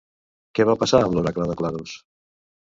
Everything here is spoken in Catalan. Què va passar amb l'Oracle de Claros?